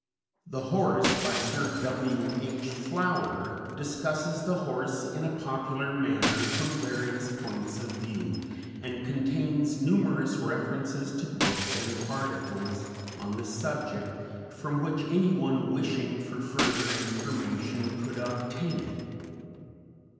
"The Horse," by Sir W. H. Flower, discusses the horse in a popular manner from various points of view and contains numerous references to books and articles on the subject from which anyone wishing for further information could obtain it.